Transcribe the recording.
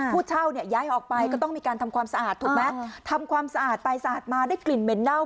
ผู้เช่าเนี่ยย้ายออกไปก็ต้องมีการทำความสะอาดถูกไหมทำความสะอาดไปสะอาดมาได้กลิ่นเหม็นเน่า